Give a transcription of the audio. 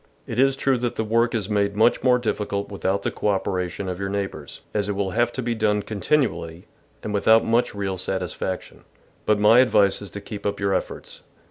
" It is true that the work is made much more diffi cult without the co operation of your neighbours, as it will have to be done continually and without much real satisfaction, but my advice is to keep up your efforts.